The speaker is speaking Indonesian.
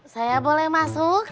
saya boleh masuk